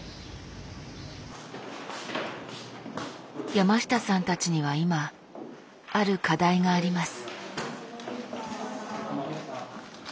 山下さんたちには今ある課題があります。